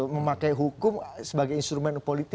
memakai hukum sebagai instrumen politik